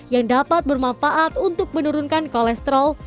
yang dapat bermanfaat untuk menurunkan kolesterol